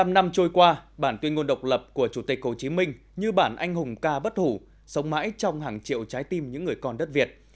bảy mươi năm năm trôi qua bản tuyên ngôn độc lập của chủ tịch hồ chí minh như bản anh hùng ca bất hủ sống mãi trong hàng triệu trái tim những người con đất việt